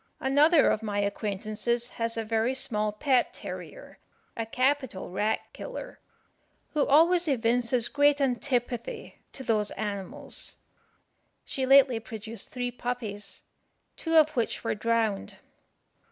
Another of my acquaintances has a very small pet terrier, a capital rat killer, who always evinces great antipathy to those animals. She lately produced three puppies, two of which were drowned.